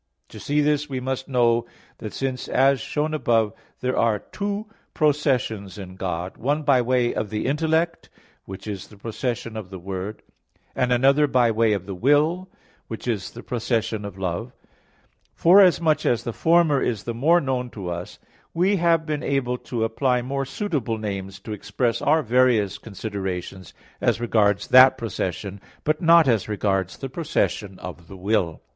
To see this we must know that since as shown above (Q. 27, AA. 2, 3, 4, 5), there are two processions in God, one by way of the intellect, which is the procession of the Word, and another by way of the will, which is the procession of Love; forasmuch as the former is the more known to us, we have been able to apply more suitable names to express our various considerations as regards that procession, but not as regards the procession of the will.